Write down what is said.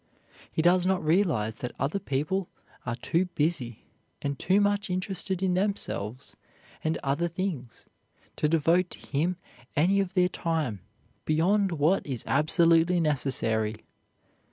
He does not realize that other people are too busy and too much interested in themselves and other things to devote to him any of their time beyond what is absolutely necessary.